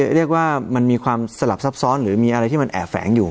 เรียกว่ามันมีความสลับซับซ้อนหรือมีอะไรที่มันแอบแฝงอยู่